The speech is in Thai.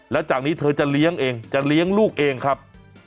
แล้วจากนี้เธอจะเลี้ยงเองจะเลี้ยงลูกเองครับ